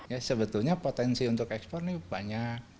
ya sebetulnya potensi untuk ekspor ini banyak